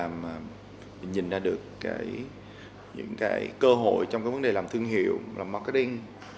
mình nhìn ra được những cơ hội trong vấn đề làm thương hiệu làm marketing